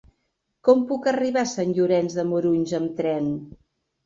Com puc arribar a Sant Llorenç de Morunys amb tren?